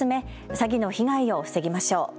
詐欺の被害を防ぎましょう。